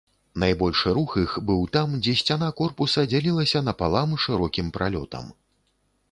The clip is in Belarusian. Найбольшы рух іх быў там, дзе сцяна корпуса дзялілася напалам шырокім пралётам.